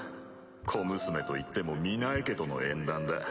小娘といっても御薬袋家との縁談だ。